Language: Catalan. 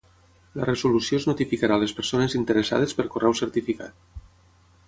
La resolució es notificarà a les persones interessades per correu certificat.